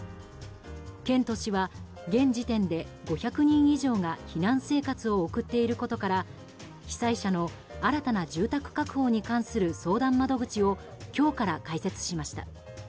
県と市は、現時点で５００人以上が避難生活を送っていることから被災者の新たな住宅確保に関する相談窓口を今日から開設しました。